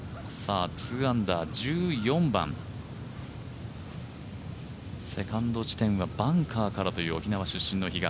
２アンダー、１４番セカンド地点はバンカーからという沖縄出身の比嘉。